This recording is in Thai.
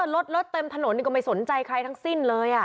รถรถเต็มถนนก็ไม่สนใจใครทั้งสิ้นเลย